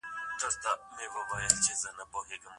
له خپل ښکاره مړوي پردي نسونه